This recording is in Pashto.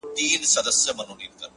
خاموش پرمختګ تر ښکاره خبرو قوي دی’